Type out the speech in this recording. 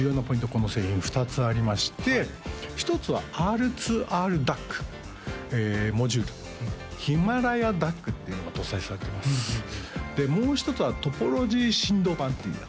この製品２つありまして１つはＲ２ＲＤＡＣモジュールヒマラヤＤＡＣっていうのが搭載されてますでもう一つはトポロジー振動板っていうやつね